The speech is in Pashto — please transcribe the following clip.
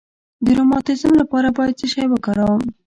د روماتیزم لپاره باید څه شی وکاروم؟